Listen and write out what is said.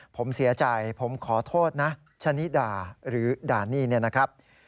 ผมเสียใจผมขอโทษนะชะนิดาหรือด่านี่เนี่ยนะครับ